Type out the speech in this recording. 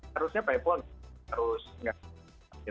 harusnya pepo harus ngasih